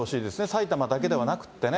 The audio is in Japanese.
埼玉だけではなくってね。